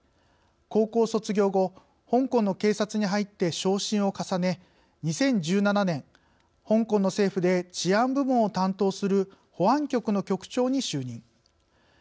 高校卒業後香港の警察に入って昇進を重ね、２０１７年香港の政府で治安部門を担当する保安局の局長に就任。